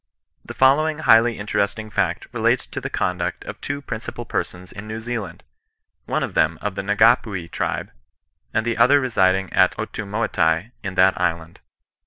The following highly interesting fact relates to the conduct of two principal persons in Kew Zealand ; one of them of the Ngapuhi tribe, and the other residing at Otumoetai in that island.